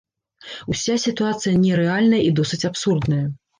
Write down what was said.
Уся сітуацыя нерэальная і досыць абсурдная.